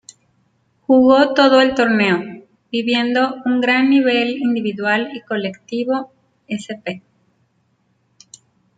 Jugó todo el torneo, viviendo un gran nivel individual y colectivo, Sp.